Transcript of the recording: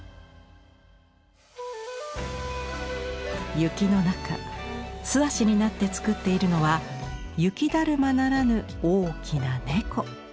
雪の中素足になって作っているのは雪だるまならぬ大きな猫。